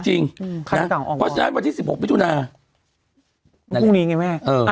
จริงจริงอืมคันสีดำออกบ่อยวันที่สิบหกมิถุนาพรุ่งนี้ไงแม่เออ